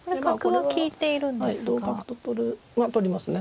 はい同角と取る取りますね。